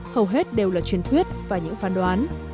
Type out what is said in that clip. hầu hết đều là truyền thuyết và những phán đoán